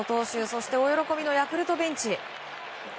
そして大喜びのヤクルトベンチ。